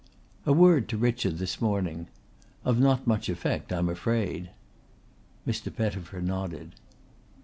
"A word to Richard this morning. Of not much effect I am afraid." Mr. Pettifer nodded.